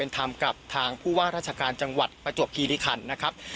ทำกับทางผู้ว่าราชการจังหวัดประจวบคีริคันนะครับ